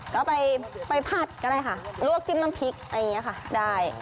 ก็ไปผัดก็ได้ค่ะลวกจิ้มน้ำพริกอะไรอย่างนี้ค่ะได้